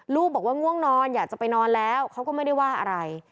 บอกว่าง่วงนอนอยากจะไปนอนแล้วเขาก็ไม่ได้ว่าอะไร